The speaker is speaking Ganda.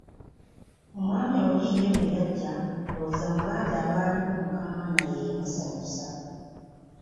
Omwami oli ye bwe yajja ndowooza mu bangi abaaliwo mukamwana yeyamusanyusa.